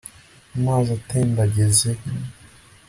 amazi atemba ageze he